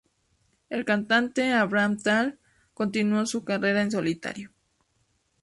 El cantante Avraham Tal continuó su carrera en solitario.